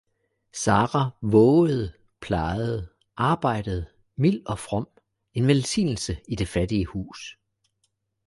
Sara vågede, plejede, arbejdede, mild og from, en velsignelse i det fattige hus.